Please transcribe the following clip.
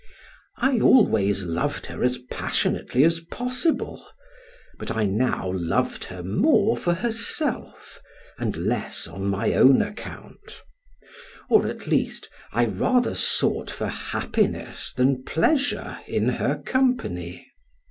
I always loved her as passionately as possible, but I now loved her more for herself and less on my own account; or, at least, I rather sought for happiness than pleasure in her company.